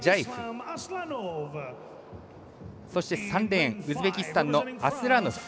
そして３レーンウズベキスタンのアスラノフ。